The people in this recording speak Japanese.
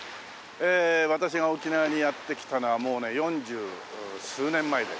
え私が沖縄にやって来たのはもうね四十数年前で。